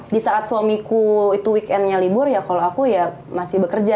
di saat suamiku itu weekendnya libur ya kalau aku ya masih bekerja